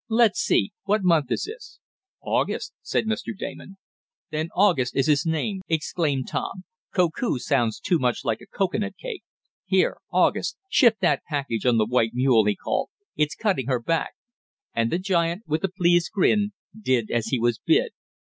"Let's see, what month is this?" "August," said Mr. Damon. "Then August is his name!" exclaimed Tom. "Koku sounds too much like a cocoanut cake. Here, August, shift that package on the white mule," he called, "it's cutting her back," and the giant, with a pleased grin, did as he was bid.